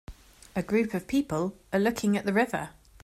A group of people are looking at the river.